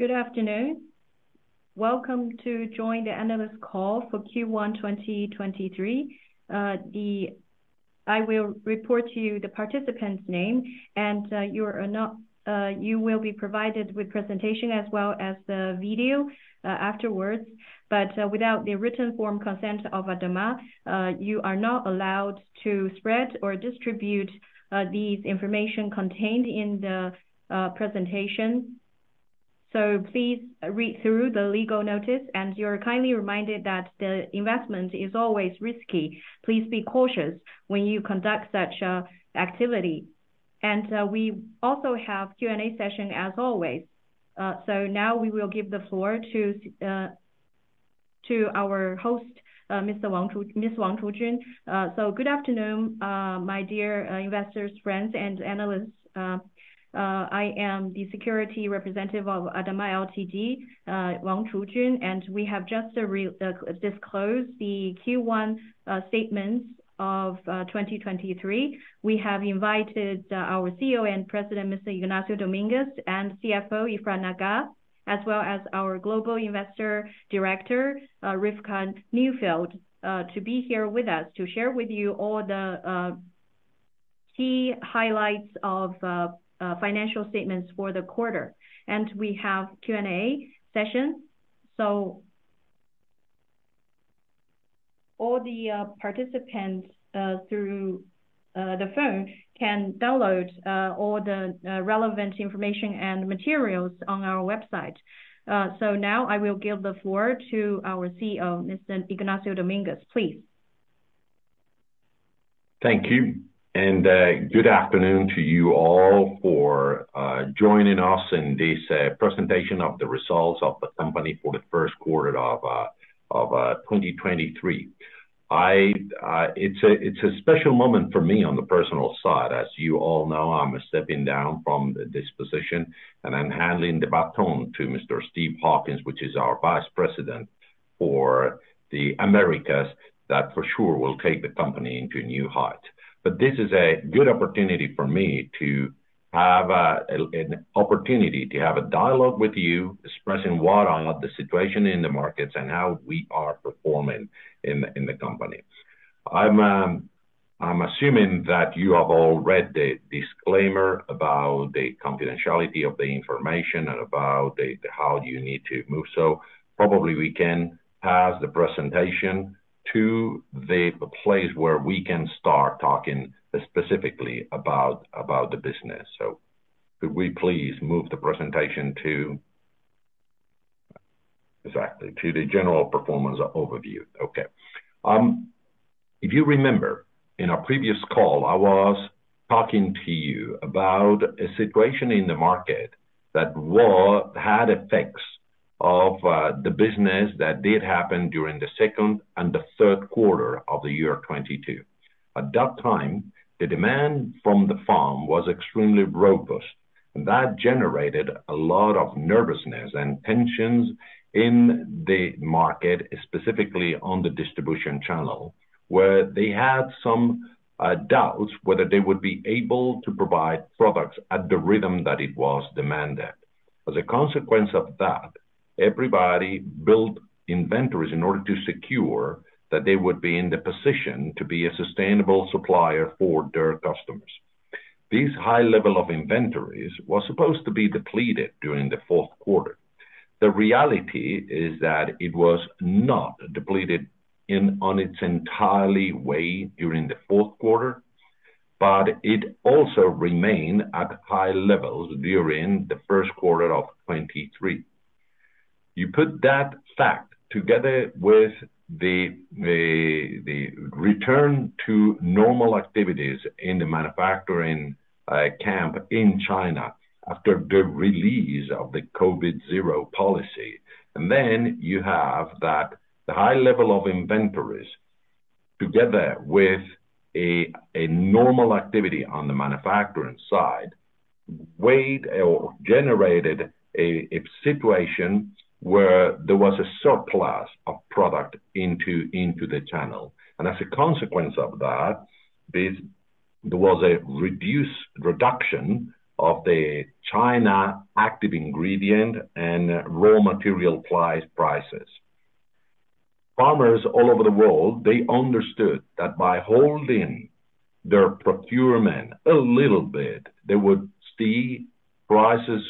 Good afternoon. Welcome to join the analyst call for Q1 2023. I will report to you the participant's name. You will be provided with presentation as well as the video afterwards. Without the written form consent of ADAMA, you are not allowed to spread or distribute these information contained in the presentation. Please read through the legal notice, and you are kindly reminded that the investment is always risky. Please be cautious when you conduct such activity. We also have Q&A session as always. Now we will give the floor to our host, Ms. Zhujun Wang. Good afternoon, my dear investors, friends and analysts.I am the security representative of ADAMA Ltd., Zhujun Wang. We have just disclosed the Q1 statements of 2023. We have invited our CEO and President, Mr. Ignacio Dominguez, and CFO, Efrat Nagar, as well as our global investor director, Rivka Neufeld, to be here with us to share with you all the key highlights of financial statements for the quarter. We have Q&A session. All the participants through the phone can download all the relevant information and materials on our website. Now I will give the floor to our CEO, Mr. Ignacio Dominguez. Please. Thank you. Good afternoon to you all for joining us in this presentation of the results of the company for Q1 of 2023. I, it's a special moment for me on the personal side. As you all know, I'm stepping down from this position, and I'm handing the baton to Mr. Steve Hawkins, which is our Vice President for the Americas, that for sure will take the company into new heights. This is a good opportunity for me to have a, an opportunity to have a dialogue with you expressing what I know of the situation in the markets and how we are performing in the company. I'm assuming that you have all read the disclaimer about the confidentiality of the information and about the how you need to move. Probably we can pass the presentation to the place where we can start talking specifically about the business. Could we please move the presentation to the general performance overview. If you remember in our previous call, I was talking to you about a situation in the market that had effects of the business that did happen during Q2 and Q3 of the year 2022. At that time, the demand from the farm was extremely robust, and that generated a lot of nervousness and tensions in the market, specifically on the distribution channel, where they had some doubts whether they would be able to provide products at the rhythm that it was demanded. As a consequence of that, everybody built inventories in order to secure that they would be in the position to be a sustainable supplier for their customers. This high level of inventories was supposed to be depleted during Q4. The reality is that it was not depleted in its entirety during Q4, but it also remained at high levels during Q1 of 2023. You put that fact together with the return to normal activities in the manufacturing camp in China after the release of the COVID zero policy, and then you have that the high level of inventories together with a normal activity on the manufacturing side, weighed or generated a situation where there was a surplus of product into the channel. As a consequence of that, there was a reduced reduction of the China active ingredient and raw material prices. Farmers all over the world, they understood that by holding their procurement a little bit, they would see prices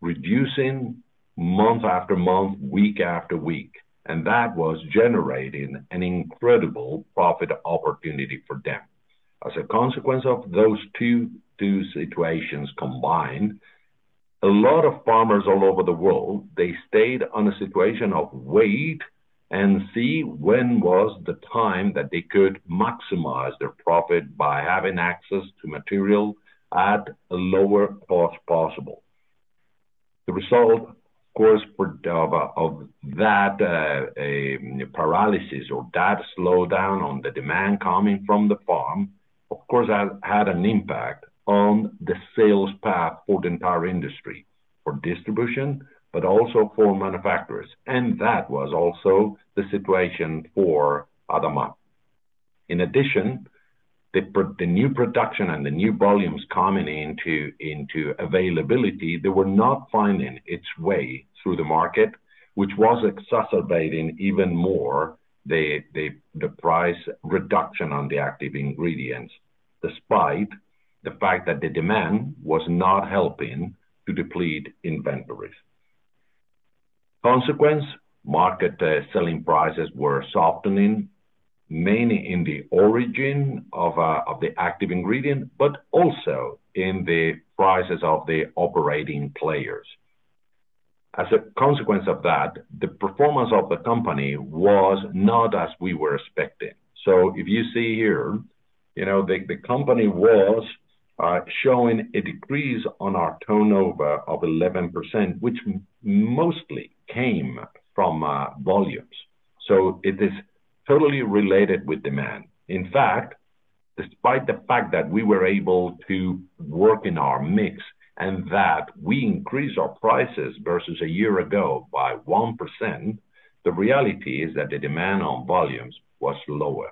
reducing month after month, week after week. That was generating an incredible profit opportunity for them. As a consequence of those two situations combined, a lot of farmers all over the world, they stayed on a situation of wait and see when was the time that they could maximize their profit by having access to material at a lower cost possible. The result, of course, for of that paralysis or that slowdown on the demand coming from the farm, of course, had an impact on the sales path for the entire industry, for distribution, but also for manufacturers. That was also the situation for ADAMA. In addition, the new production and the new volumes coming into availability, they were not finding its way through the market, which was exacerbating even more the price reduction on the active ingredients, despite the fact that the demand was not helping to deplete inventories. Consequence, market selling prices were softening, mainly in the origin of the active ingredient, but also in the prices of the operating players. As a consequence of that, the performance of the company was not as we were expecting. If you see here, you know, the company was showing a decrease on our turnover of 11%, which mostly came from volumes. It is totally related with demand. In fact, despite the fact that we were able to work in our mix and that we increased our prices versus a year ago by 1%, the reality is that the demand on volumes was lower.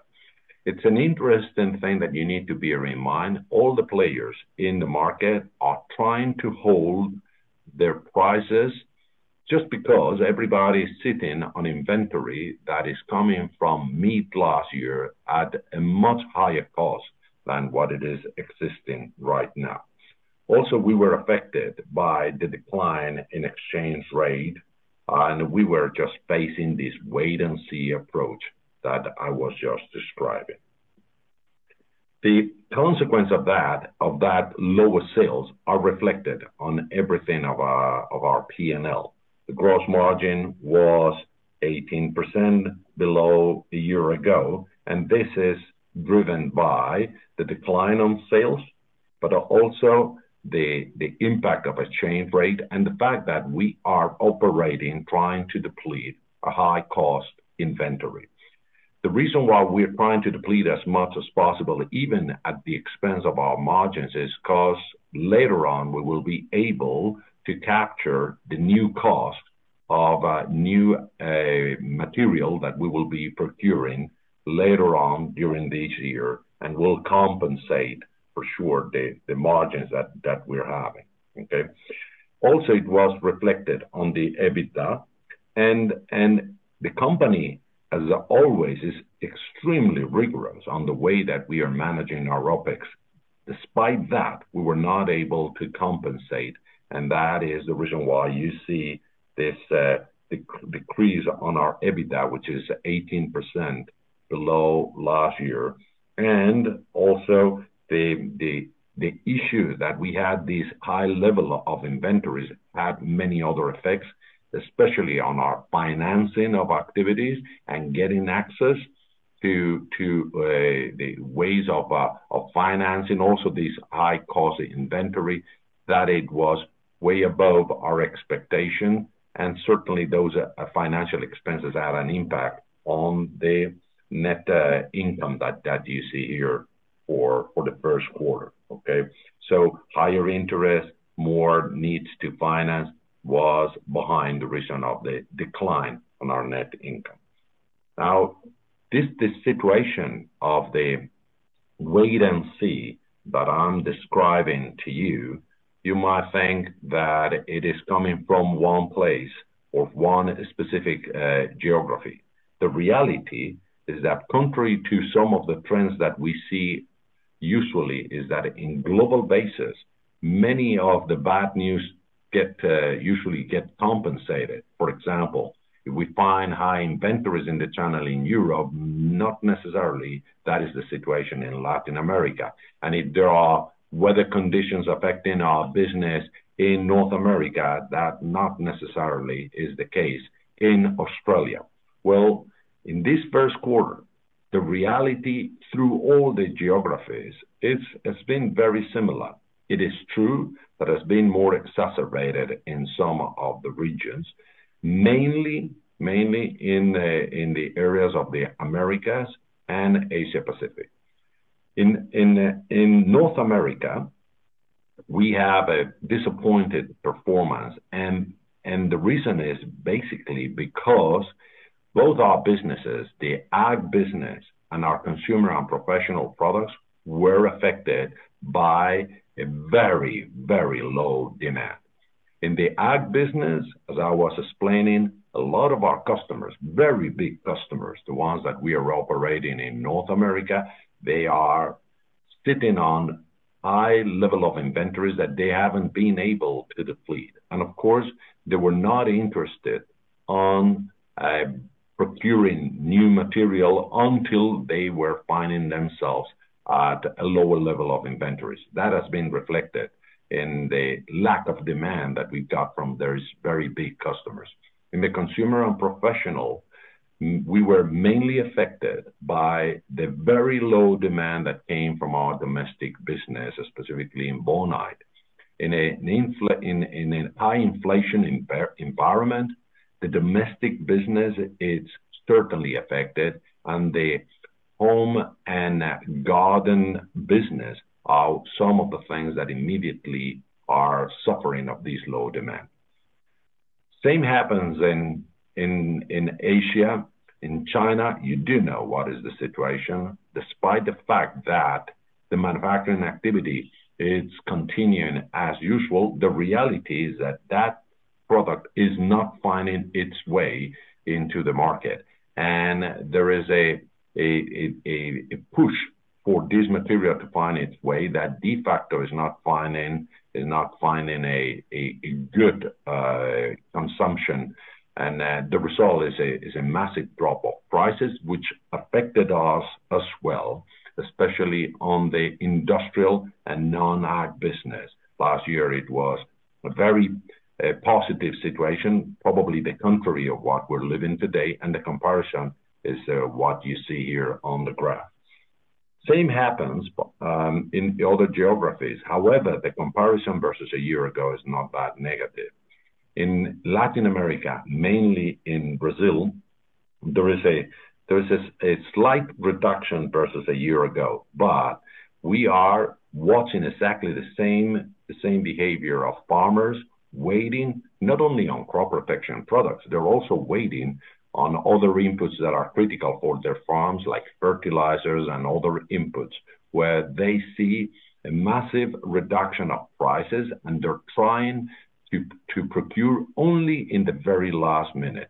It's an interesting thing that you need to bear in mind. All the players in the market are trying to hold their prices just because everybody's sitting on inventory that is coming from mid last year at a much higher cost than what it is existing right now. Also, we were affected by the decline in exchange rate, and we were just facing this wait and see approach that I was just describing. The consequence of that lower sales are reflected on everything of our P&L. The gross margin was 18% below a year ago. This is driven by the decline on sales, but also the impact of exchange rate and the fact that we are operating trying to deplete a high-cost inventory. The reason why we're trying to deplete as much as possible, even at the expense of our margins, is 'cause later on we will be able to capture the new cost of new material that we will be procuring later on during this year and will compensate for sure the margins that we're having. Okay? It was reflected on the EBITDA and the company, as always, is extremely rigorous on the way that we are managing our OpEx. Despite that, we were not able to compensate. That is the reason why you see this decrease on our EBITDA, which is 18% below last year. Also the issue that we had this high level of inventories had many other effects, especially on our financing of activities and getting access to the ways of financing, also this high cost inventory, that it was way above our expectation. Certainly those financial expenses have an impact on the net income that you see here for the first quarter. Okay? Higher interest, more needs to finance was behind the reason of the decline on our net income. Now, this situation of the wait and see that I am describing to you might think that it is coming from one place or one specific geography. The reality is that contrary to some of the trends that we see usually is that in global basis, many of the bad news get usually compensated. For example, if we find high inventories in the channel in Europe, not necessarily that is the situation in Latin America. If there are weather conditions affecting our business in North America, that not necessarily is the case in Australia. Well, in Q1, the reality through all the geographies is it's been very similar. It is true that it has been more exacerbated in some of the regions, mainly in the areas of the Americas and Asia Pacific. In North America, we have a disappointed performance and the reason is basically because both our businesses, the ag business and our consumer and professional products, were affected by a very low demand. In the ag business, as I was explaining, a lot of our customers, very big customers, the ones that we are operating in North America, they are sitting on high level of inventories that they haven't been able to deplete. Of course, they were not interested on procuring new material until they were finding themselves at a lower level of inventories. That has been reflected in the lack of demand that we got from those very big customers. In the consumer and professional, we were mainly affected by the very low demand that came from our domestic business, specifically in Bonide. In a high inflation environment, the domestic business is certainly affected and the home and garden business are some of the things that immediately are suffering of this low demand. Same happens in Asia. In China, you do know what is the situation. Despite the fact that the manufacturing activity is continuing as usual, the reality is that that product is not finding its way into the market. There is a push for this material to find its way that de facto is not finding a good consumption. The result is a massive drop of prices which affected us as well, especially on the industrial and non-ag business. Last year it was a very positive situation, probably the contrary of what we're living today, the comparison is what you see here on the graph. Same happens in the other geographies. However, the comparison versus a year ago is not that negative. In Latin America, mainly in Brazil, there is a slight reduction versus a year ago. We are watching exactly the same behavior of farmers waiting not only on crop protection products, they're also waiting on other inputs that are critical for their farms, like fertilizers and other inputs, where they see a massive reduction of prices and they're trying to procure only in the very last minute.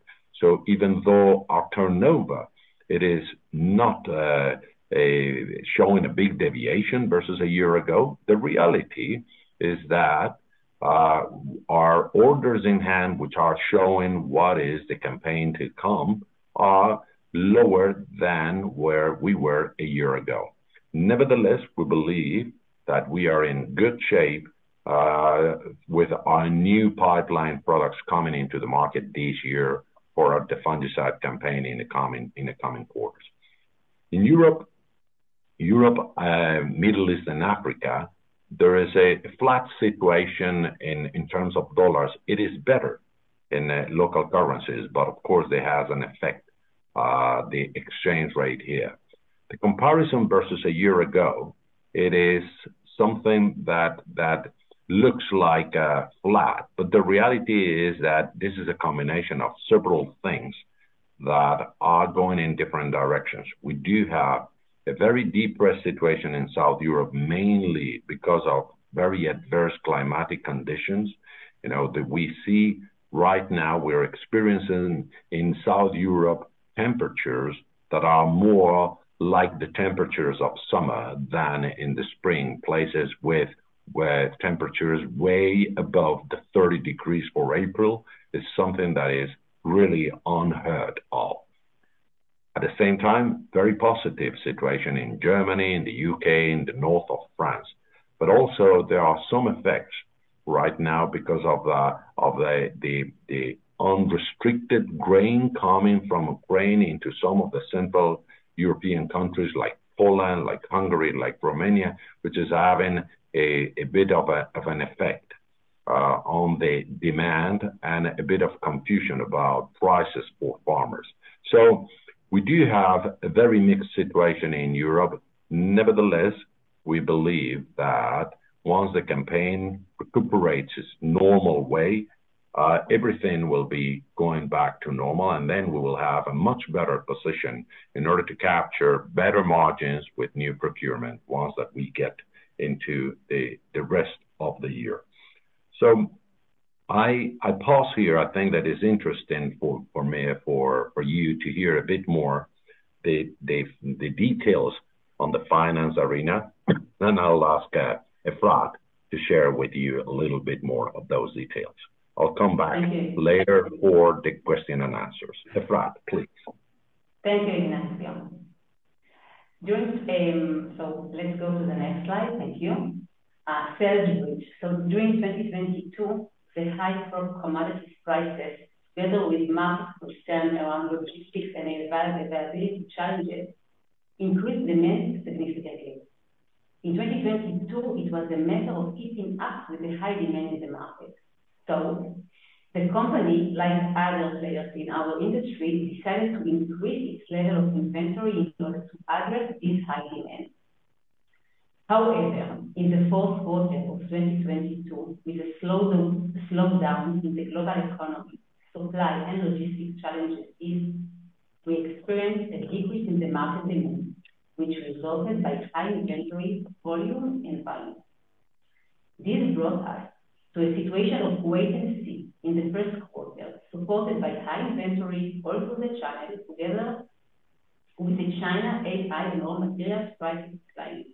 Even though our turnover, it is not showing a big deviation versus a year ago, the reality is that our orders in hand, which are showing what is the campaign to come, are lower than where we were a year ago. Nevertheless, we believe that we are in good shape with our new pipeline products coming into the market this year for the fungicide campaign in the coming quarters. In Europe, Middle East, and Africa, there is a flat situation in terms of USD. It is better in local currencies, but of course it has an effect, the exchange rate here. The comparison versus a year ago, it is something that looks like flat. The reality is that this is a combination of several things that are going in different directions. We do have a very depressed situation in South Europe, mainly because of very adverse climatic conditions. You know, that we see right now we're experiencing in South Europe temperatures that are more like the temperatures of summer than in the spring. Places where temperatures way above the 30 degrees for April is something that is really unheard of. Very positive situation in Germany and the U.K. and the north of France. There are some effects right now because of the unrestricted grain coming from Ukraine into some of the one simple European countries like Poland, like Hungary, like Romania, which is having a bit of an effect on the demand and a bit of confusion about prices for farmers. We do have a very mixed situation in Europe. We believe that once the campaign recuperates its normal way, everything will be going back to normal, and then we will have a much better position in order to capture better margins with new procurement once that we get into the rest of the year. I pause here. I think that is interesting for me, for you to hear a bit more the details on the finance arena. I'll ask Efrat to share with you a little bit more of those details. I'll come back. Thank you. later for the question and answers. Efrat, please. Thank you, Ignacio. Let's go to the next slide. Thank you. Sales mix. During 2022, the high crop commodities prices, together with massive concern around logistics and availability challenges, increased demand significantly. In 2022, it was a matter of keeping up with the high demand in the market. The company, like other players in our industry, decided to increase its level of inventory in order to address this high demand. However, in Q4 of 2022, with the slowdown in the global economy, supply and logistics challenges eased. We experienced a decrease in the market demand, which resulted by high inventory volume and value. This brought us to a situation of wait and see in the first quarter, supported by high inventory all through the channel together with the China AI and raw materials pricing declines.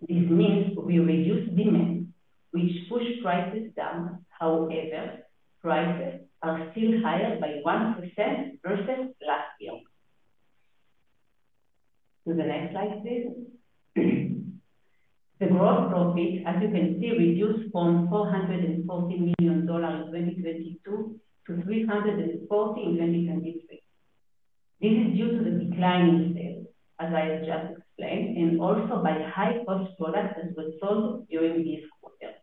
This means we reduced demand, which pushed prices down. However, prices are still higher by 1% versus last year. To the next slide, please. The gross profit, as you can see, reduced from $440 million in 2022 - $340 million in 2023. This is due to the decline in sales, as I have just explained, and also by high-cost products that were sold during this quarter.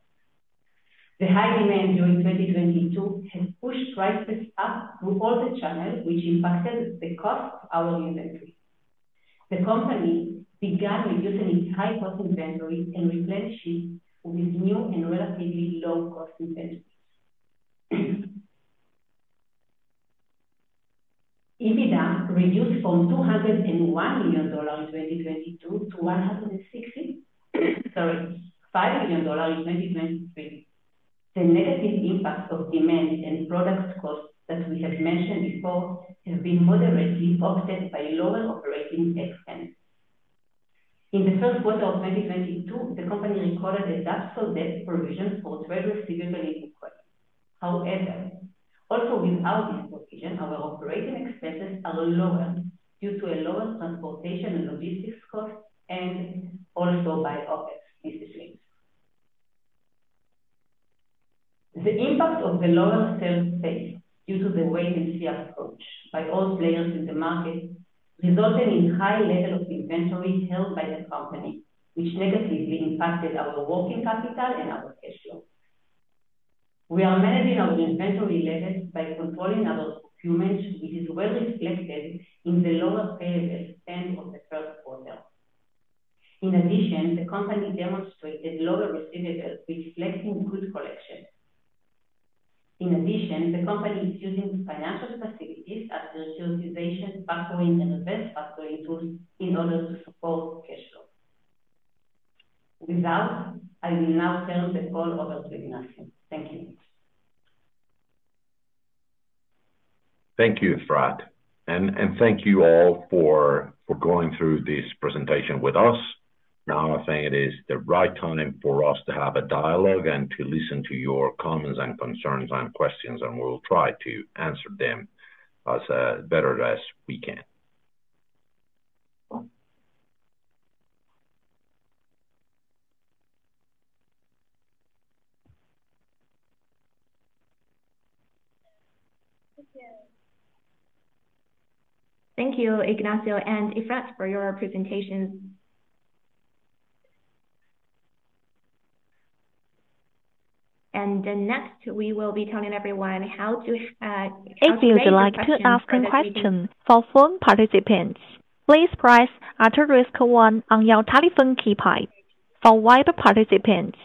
The high demand during 2022 has pushed prices up through all the channels, which impacted the cost of our inventory. The company began reducing its high-cost inventory and replenishing with new and relatively low-cost inventories. EBITDA reduced from $201 million in 2022 to $165 million in 2023. The negative impact of demand and product costs that we have mentioned before has been moderately offset by lower operating expense. In Q1 of 2022, the company recorded a doubtful debt provision for trade receivables increase. However, also without this provision, our operating expenses are lower due to a lower transportation and logistics cost and also by OpEx, as explained. The impact of the lower sales pace due to the wait and see approach by all players in the market resulted in high level of inventory held by the company, which negatively impacted our working capital and our cash flow. We are managing our inventory levels by controlling our procurements, which is well reflected in the lower payables end of Q1. In addition, the company demonstrated lower receivables, reflecting good collection. The company is using financial facilities as utilization, factoring, and reverse factoring tools in order to support cash flow. With that, I will now turn the call over to Ignacio. Thank you. Thank you, Efrat. Thank you all for going through this presentation with us. Now I think it is the right timing for us to have a dialogue and to listen to your comments and concerns and questions, and we will try to answer them as better as we can. Well. Thank you, Ignacio and Efrat for your presentations. Next, we will be telling everyone how to ask the questions. If you would like to ask a question for phone participants, please press asterisk one on your telephone keypad. For web participants,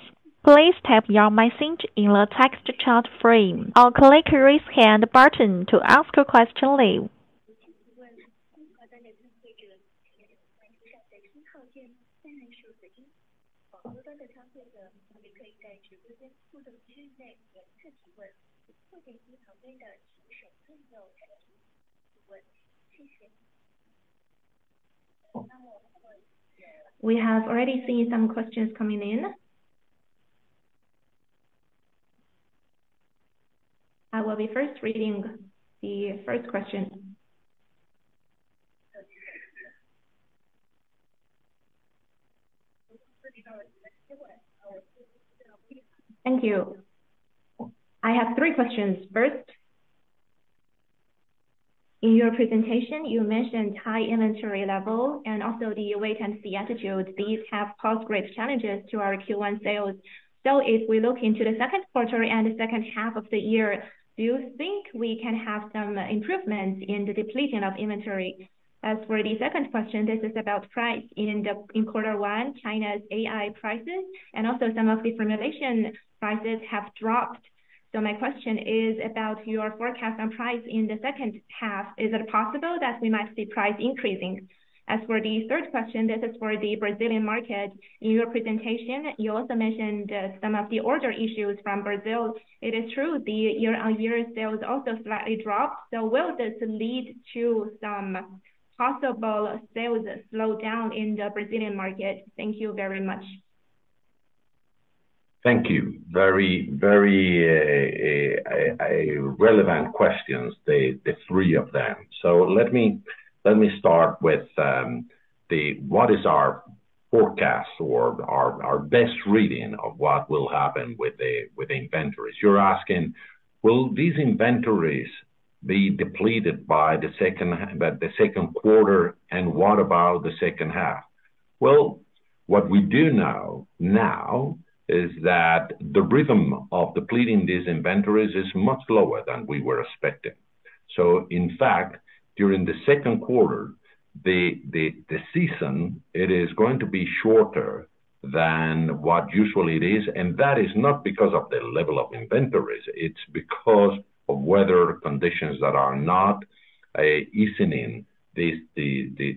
please type your message in the text chat frame or click raise hand button to ask a question live. We have already seen some questions coming in. I will be first reading the first question. Thank you. I have three questions. First, in your presentation, you mentioned high inventory level and also the wait and see attitude. These have caused great challenges to our Q one sales. If we look into the second quarter and the second half of the year, do you think we can have some improvements in the depleting of inventory? As for the second question, this is about price. In quarter one, China's AI prices and also some of the formulation prices have dropped. My question is about your forecast on price in the second half. Is it possible that we might see price increasing? As for the third question, this is for the Brazilian market. In your presentation, you also mentioned some of the order issues from Brazil. It is true, the year-on-year sales also slightly dropped. Will this lead to some possible sales slowdown in the Brazilian market? Thank you very much. Thank you. Very, very relevant questions, the three of them. Let me start with what is our forecast or our best reading of what will happen with the inventories. You're asking will these inventories be depleted by Q2, and what about H2? What we do know now is that the rhythm of depleting these inventories is much lower than we were expecting. In fact, during Q2, the season, it is going to be shorter than what usually it is, and that is not because of the level of inventories. It's because of weather conditions that are not easing the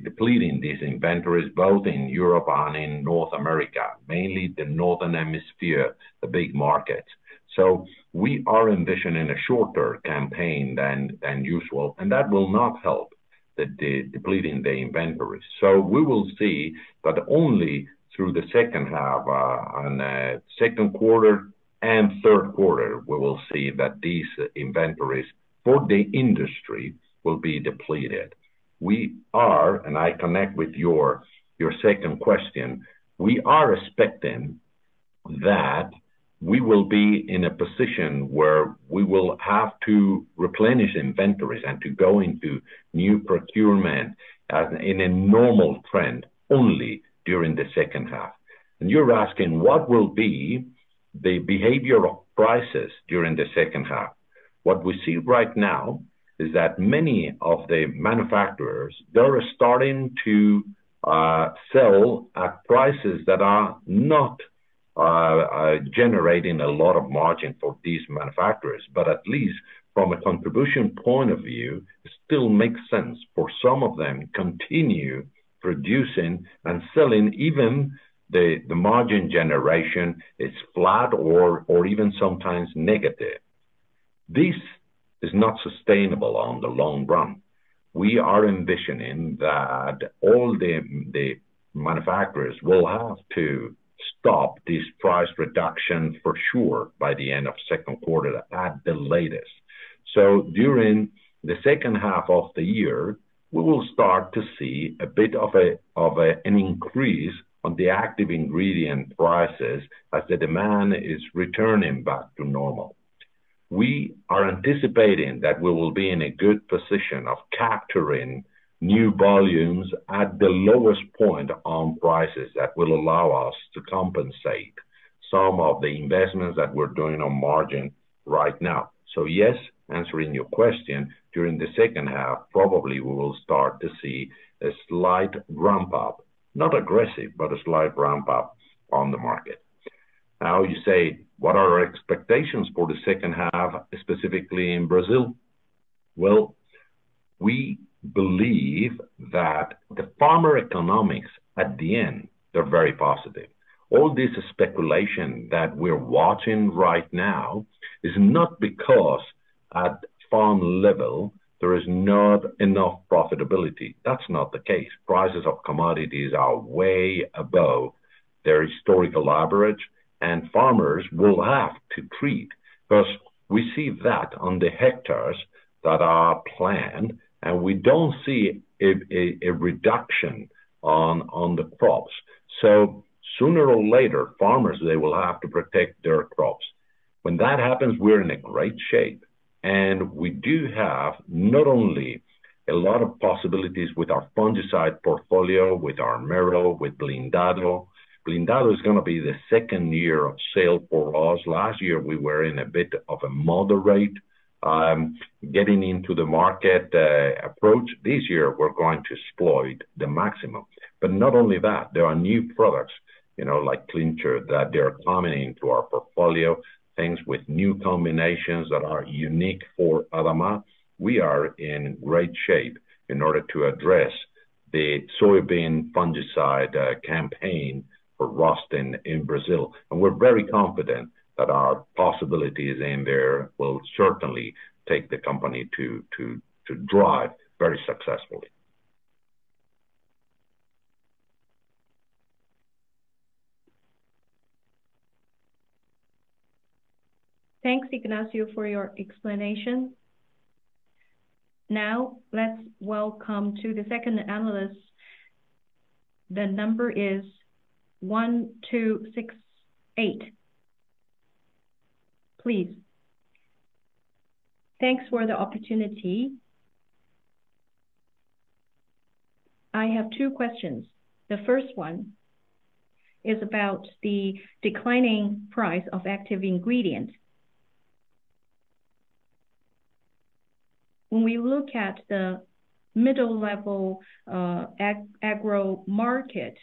depleting these inventories both in Europe and in North America, mainly the northern hemisphere, the big markets. We are envisioning a shorter campaign than usual, and that will not help depleting the inventories. We will see that only through H2, and Q2 and Q3, we will see that these inventories for the industry will be depleted. We are, and I connect with your second question. We are expecting that we will be in a position where we will have to replenish inventories and to go into new procurement as in a normal trend only during the second half. You're asking what will be the behavior of prices during the second half? What we see right now is that many of the manufacturers, they're starting to sell at prices that are not generating a lot of margin for these manufacturers. At least from a contribution point of view, it still makes sense for some of them continue producing and selling even the margin generation is flat or even sometimes negative. This is not sustainable on the long run. We are envisioning that all the manufacturers will have to stop this price reduction for sure by the end of second quarter at the latest. During the second half of the year, we will start to see a bit of an increase on the active ingredient prices as the demand is returning back to normal. We are anticipating that we will be in a good position of capturing new volumes at the lowest point on prices that will allow us to compensate some of the investments that we're doing on margin right now. Yes, answering your question, during H2, probably we will start to see a slight ramp-up, not aggressive, but a slight ramp-up on the market. You say, what are our expectations for the H2, specifically in Brazil? We believe that the farmer economics at the end, they're very positive. All this speculation that we're watching right now is not because at farm level there is not enough profitability. That's not the case. Prices of commodities are way above their historical average, farmers will have to treat. We see that on the hectares that are planned, we don't see a reduction on the crops. Sooner or later, farmers, they will have to protect their crops. When that happens, we're in a great shape. We do have not only a lot of possibilities with our fungicide portfolio, with ARMERO, with BLINDADO. BLINDADO is gonna be the second year of sale for us. Last year we were in a bit of a moderate getting into the market approach. This year we're going to exploit the maximum. Not only that, there are new products, you know, like CLINCHER, that they are coming into our portfolio. Things with new combinations that are unique for ADAMA. We are in great shape in order to address the soybean fungicide campaign for rust in Brazil. We're very confident that our possibilities in there will certainly take the company to drive very successfully. Thanks, Ignacio, for your explanation. Now let's welcome to the second analyst. The number is 1268. Please. Thanks for the opportunity. I have two questions. The first one is about the declining price of active ingredients. When we look at the middle level agro market,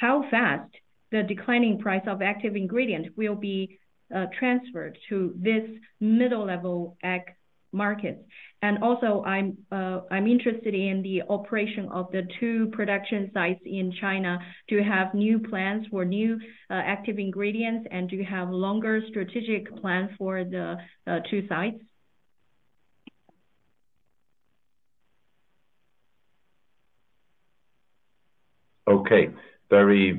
how fast the declining price of active ingredient will be transferred to this middle level ag market? Also I'm interested in the operation of the two production sites in China to have new plans for new active ingredients and to have longer strategic plan for the two sites. Okay. Very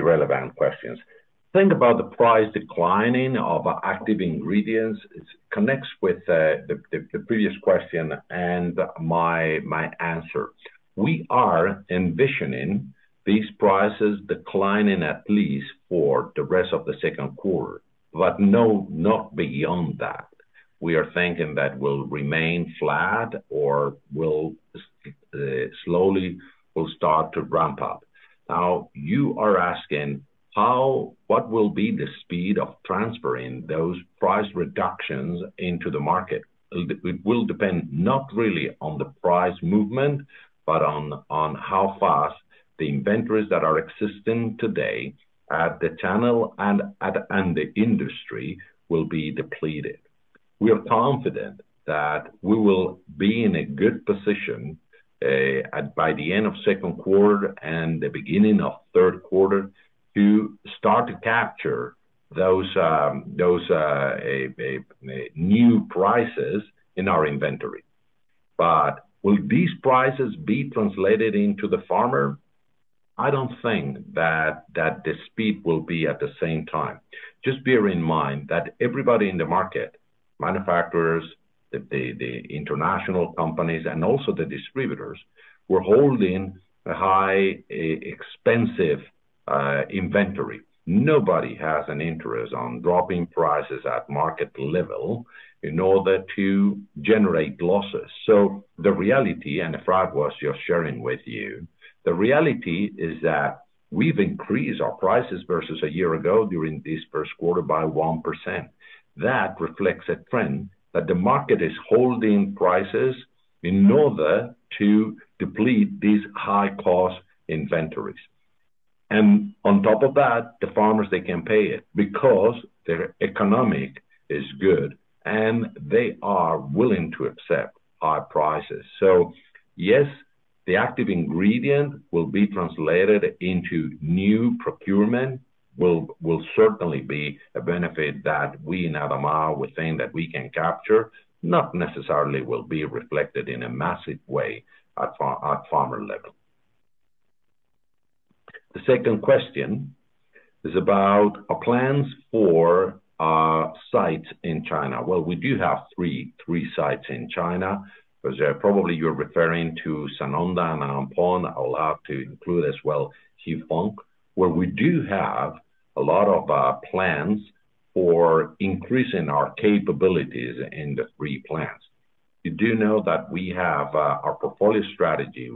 relevant questions. Think about the price declining of active ingredients. It connects with the previous question and my answer. We are envisioning these prices declining at least for the rest of the second quarter, but no, not beyond that. We are thinking that will remain flat or will slowly start to ramp up. You are asking what will be the speed of transferring those price reductions into the market? It will depend not really on the price movement, but on how fast the inventories that are existing today at the channel and the industry will be depleted. We are confident that we will be in a good position at by the end of second quarter and the beginning of third quarter to start to capture those new prices in our inventory. Will these prices be translated into the farmer? I don't think that the speed will be at the same time. Just bear in mind that everybody in the market, manufacturers, the international companies and also the distributors, were holding a high, expensive inventory. Nobody has an interest on dropping prices at market level in order to generate losses. The reality, and the fact was just sharing with you, the reality is that we've increased our prices versus a year ago during this Q1 by 1%. That reflects a trend that the market is holding prices in order to deplete these high cost inventories. On top of that, the farmers, they can pay it because their economy is good and they are willing to accept high prices. Yes, the active ingredient will be translated into new procurement will certainly be a benefit that we in ADAMA were saying that we can capture, not necessarily will be reflected in a massive way at farmer level. The second question is about our plans for our sites in China. We do have three sites in China, but probably you're referring to Sanonda and Jingzhou. I will have to include as well Huifeng, where we do have a lot of plans for increasing our capabilities in the three plants. You do know that we have our portfolio strategy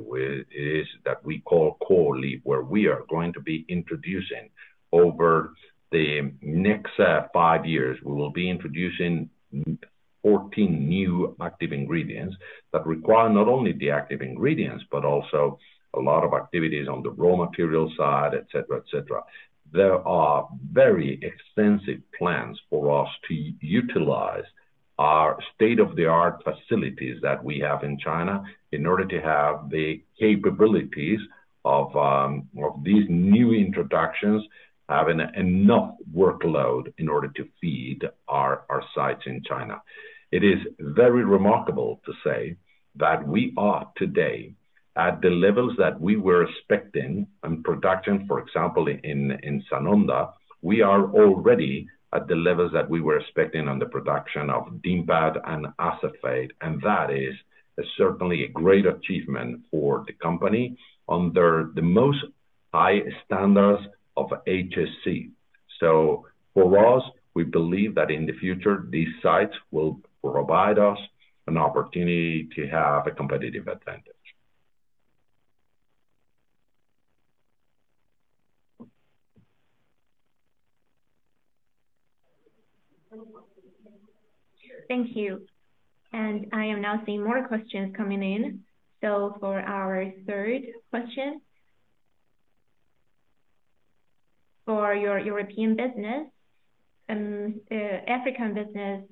is that we call Core Leap, where we are going to be introducing over the next five years, we will be introducing 14 new active ingredients that require not only the active ingredients, but also a lot of activities on the raw material side, et cetera, et cetera. There are very extensive plans for us to utilize our state-of-the-art facilities that we have in China in order to have the capabilities of these new introductions, have enough workload in order to feed our sites in China. It is very remarkable to say that we are today at the levels that we were expecting on production, for example, in Sanonda, we are already at the levels that we were expecting on the production of DiPel and acephate, and that is certainly a great achievement for the company under the most high standards of HSE. For us, we believe that in the future, these sites will provide us an opportunity to have a competitive advantage. Thank you. I am now seeing more questions coming in. For our third question, for your European business and African business,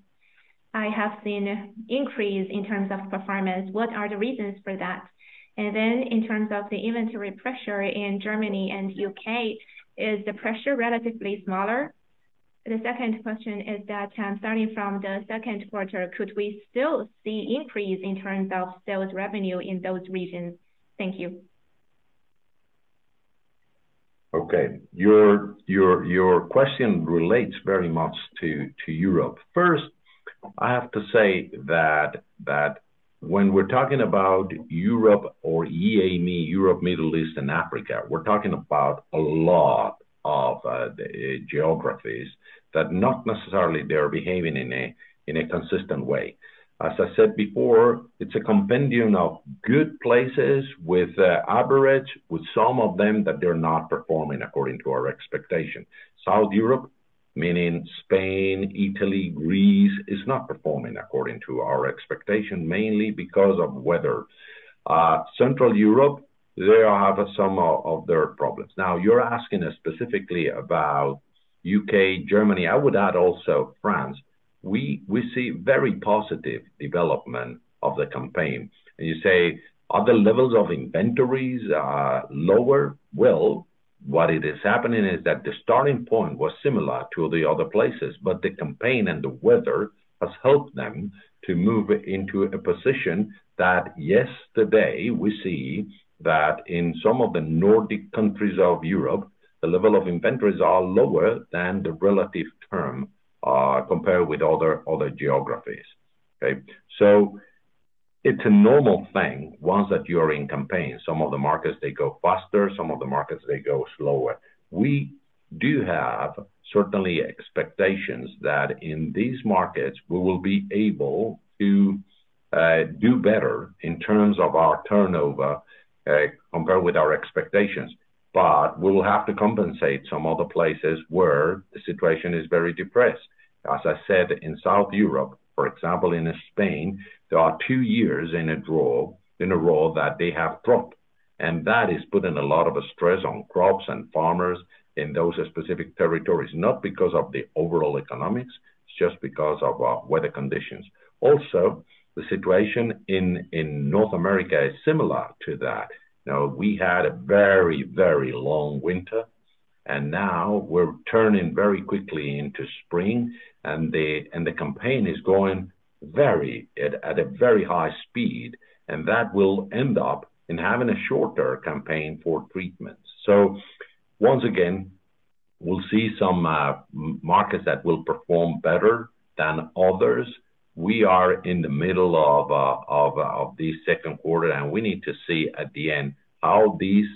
I have seen increase in terms of performance. What are the reasons for that? In terms of the inventory pressure in Germany and U.K., is the pressure relatively smaller? The second question is that, starting from the second quarter, could we still see increase in terms of sales revenue in those regions? Thank you. Okay. Your question relates very much to Europe. First, I have to say that when we're talking about Europe or EAME, Europe, Middle East and Africa, we're talking about a lot of geographies that not necessarily they are behaving in a consistent way. As I said before, it's a compendium of good places with average, with some of them that they're not performing according to our expectation. South Europe, meaning Spain, Italy, Greece, is not performing according to our expectation, mainly because of weather. Central Europe, they have some of their problems. You're asking us specifically about U.K., Germany. I would add also France. We see very positive development of the campaign. You say, are the levels of inventories lower? What it is happening is that the starting point was similar to the other places, but the campaign and the weather has helped them to move into a position that yesterday we see that in some of the Nordic countries of Europe, the level of inventories are lower than the relative term, compared with other geographies. It's a normal thing once that you're in campaign. Some of the markets, they go faster, some of the markets, they go slower. We do have certainly expectations that in these markets, we will be able to do better in terms of our turnover, compared with our expectations. We will have to compensate some other places where the situation is very depressed. As I said, in South Europe, for example, in Spain, there are two years in a row that they have dropped, and that is putting a lot of stress on crops and farmers in those specific territories, not because of the overall economics, it's just because of weather conditions. The situation in North America is similar to that. We had a very, very long winter, and now we're turning very quickly into spring, and the campaign is going very, at a very high speed, and that will end up in having a shorter campaign for treatments. Once again, we'll see some markets that will perform better than others. We are in the middle of the second quarter. We need to see at the end how these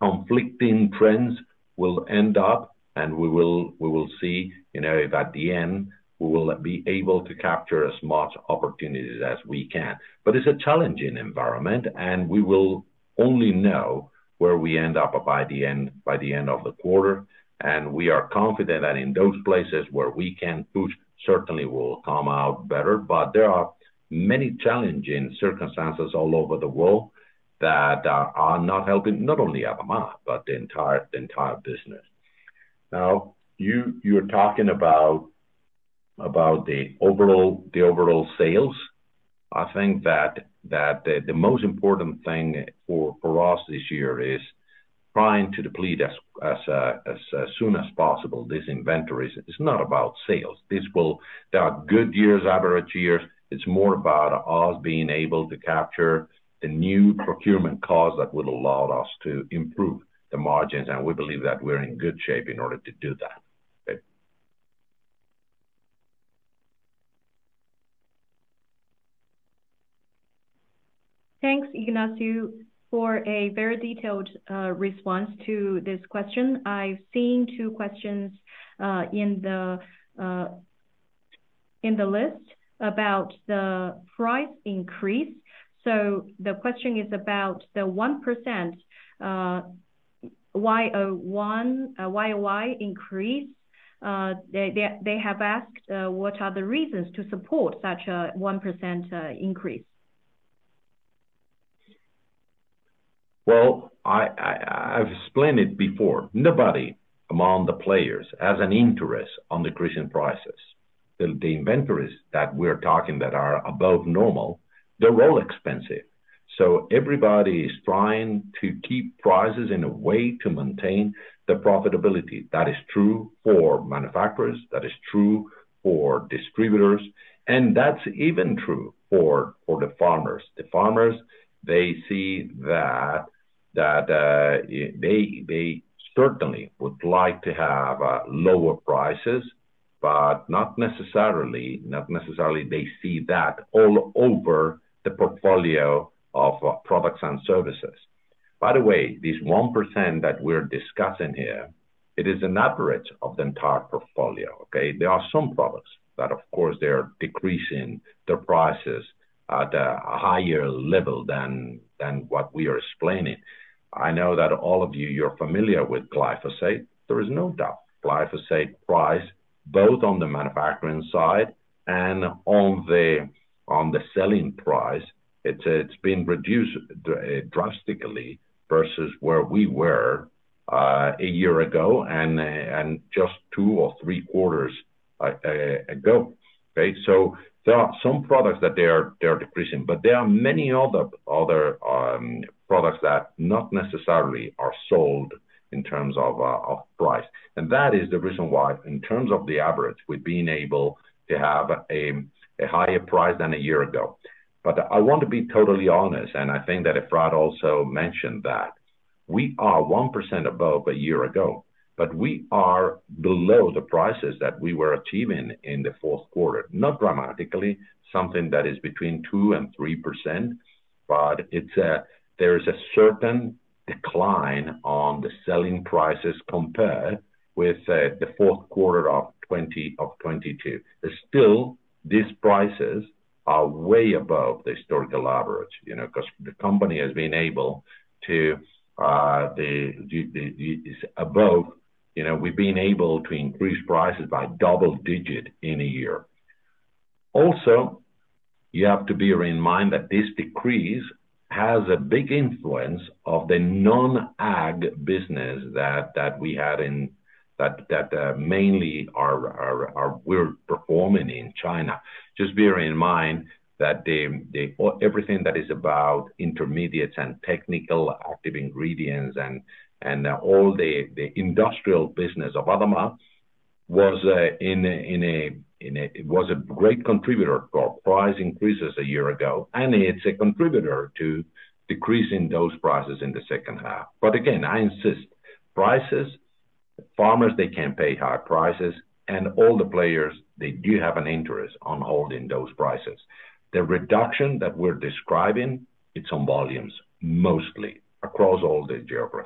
conflicting trends will end up. We will, we will see, you know, if at the end, we will be able to capture as much opportunities as we can. It's a challenging environment. We will only know where we end up by the end, by the end of the quarter. We are confident that in those places where we can push, certainly will come out better. There are many challenging circumstances all over the world that are not helping, not only ADAMA, but the entire business. Now, you're talking About the overall sales, I think that the most important thing for us this year is trying to deplete as soon as possible these inventories. It's not about sales. There are good years, average years. It's more about us being able to capture the new procurement costs that would allow us to improve the margins, and we believe that we're in good shape in order to do that. Okay. Thanks, Ignacio, for a very detailed response to this question. I've seen two questions in the list about the price increase. The question is about the 1% YOY increase. They have asked what are the reasons to support such a 1% increase? Well, I've explained it before. Nobody among the players has an interest on increasing prices. The inventories that we're talking that are above normal, they're all expensive. Everybody is trying to keep prices in a way to maintain the profitability. That is true for manufacturers, that is true for distributors, and that's even true for the farmers. The farmers, they see that they certainly would like to have lower prices, but not necessarily they see that all over the portfolio of products and services. By the way, this 1% that we're discussing here, it is an average of the entire portfolio, okay? There are some products that of course they are decreasing the prices at a higher level than what we are explaining. I know that all of you're familiar with glyphosate. There is no doubt. Glyphosate price, both on the manufacturing side and on the selling price, it's been reduced drastically versus where we were a year ago and just two or three quarters ago. Okay? There are some products that they are decreasing, but there are many other products that not necessarily are sold in terms of price. That is the reason why in terms of the average, we've been able to have a higher price than a year ago. I want to be totally honest, and I think that Efrat also mentioned that we are 1% above a year ago, but we are below the prices that we were achieving in Q4. Not dramatically, something that is between 2% and 3%, it's there is a certain decline on the selling prices compared with Q4 of 2022. Still, these prices are way above the historical average, you know, 'cause the company has been able to above, you know, we've been able to increase prices by double-digit in a year. Also, you have to bear in mind that this decrease has a big influence of the non-ag business that we had in that mainly our we're performing in China. Just bear in mind that the everything that is about intermediates and technical active ingredients and all the industrial business of ADAMA was in a. It was a great contributor for price increases a year ago, and it's a contributor to decreasing those prices in H2. Again, I insist, prices, farmers, they can pay high prices, and all the players, they do have an interest on holding those prices. The reduction that we're describing, it's on volumes mostly across all the geographies.